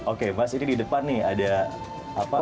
oke mas ini di depan nih ada apa